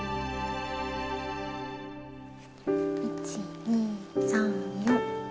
１２３４。